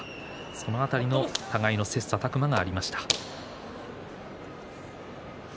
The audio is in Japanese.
その辺りの互いの切さたく磨がありました。